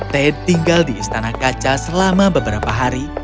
tete tinggal di istana kaca selama beberapa hari